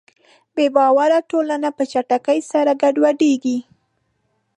بېباوره ټولنه په چټکۍ سره ګډوډېږي.